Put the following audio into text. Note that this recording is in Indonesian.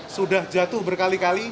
sudah jatuh berkali kali